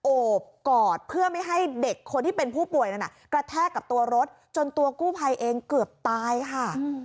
โอบกอดเพื่อไม่ให้เด็กคนที่เป็นผู้ป่วยนั้นกระแทกกับตัวรถจนตัวกู้ภัยเองเกือบตายค่ะ